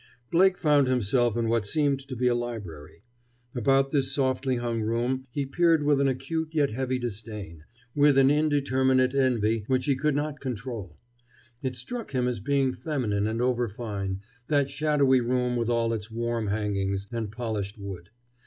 Blake found himself in what seemed to be a library. About this softly hung room he peered with an acute yet heavy disdain, with an indeterminate envy which he could not control. It struck him as being feminine and over fine, that shadowy room with all its warm hangings and polished wood.